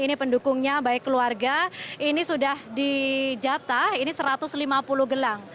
ini pendukungnya baik keluarga ini sudah dijata ini satu ratus lima puluh gelang